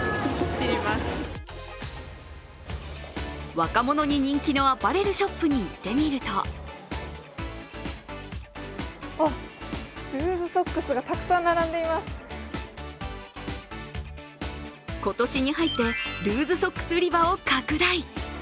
若者に人気のアパレルショップに行ってみると今年に入って、ルーズソックス売り場を拡大。